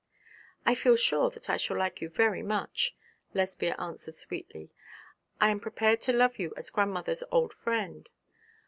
'I feel sure that I shall like you very much,' Lesbia answered sweetly. 'I am prepared to love you as grandmother's old friend.'